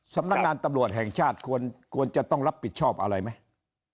สำนักงานตำรวจแห่งชาติควรจะต้องรับผิดชอบอะไรไหม